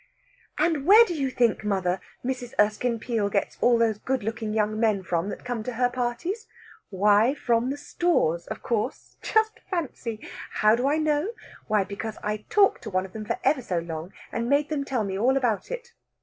"And where do you think, mother, Mrs. Erskine Peel gets all those good looking young men from that come to her parties? Why, from the Stores, of course. Just fancy!... How do I know? Why, because I talked to one of them for ever so long, and made him tell me all about it.